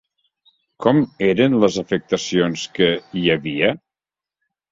Com eren les afectacions que hi havia?